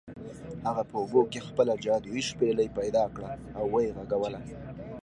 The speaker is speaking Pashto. هغه په اوبو کې خپله جادويي شپیلۍ پیدا کړه او و یې غږوله.